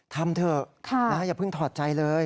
ทำเถอะอย่าเพิ่งถอดใจเลย